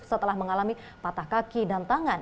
setelah mengalami patah kaki dan tangan